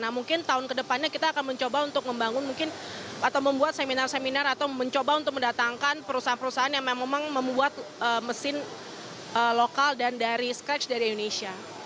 nah mungkin tahun kedepannya kita akan mencoba untuk membangun mungkin atau membuat seminar seminar atau mencoba untuk mendatangkan perusahaan perusahaan yang memang membuat mesin lokal dan dari skritch dari indonesia